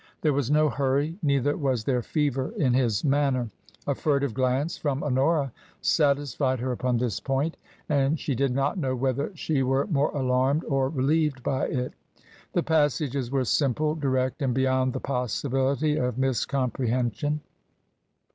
There was no hurry, neither was there fever in his manner. A furtive glance from Honora satisfied her upon this point, and she did not know whether she were more alarmed or relieved by it. The passages were simple, direct, and beyond the possibility of miscomprehension.